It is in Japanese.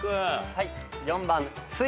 はい。